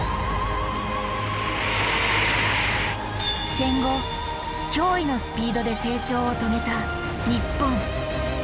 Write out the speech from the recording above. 戦後驚異のスピードで成長を遂げた日本。